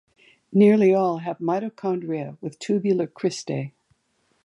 Nearly all have mitochondria with tubular cristae.